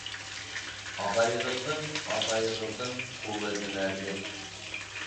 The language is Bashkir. Ағайығыҙҙың... атайығыҙҙың ҡулы һөнәрле.